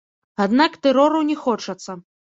Аднак тэрору не хочацца.